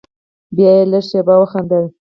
بيا يې لږه شېبه وخندل.